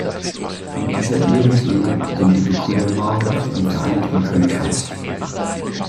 Und dieser irgend jemand sind die Gebrüder Mulder im Vereinigten Königreich.